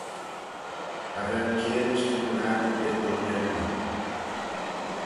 Cha vel cairys jannoo assee da dhoinney erbee.